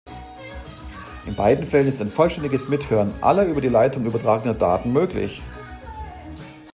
In beiden Fällen ist ein vollständiges Mithören aller über die Leitung übertragener Daten möglich.